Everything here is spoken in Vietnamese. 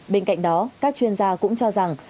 bên cạnh đó các chuyên gia cũng cho rằng